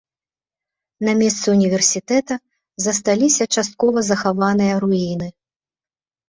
На месцы ўніверсітэта засталіся часткова захаваныя руіны.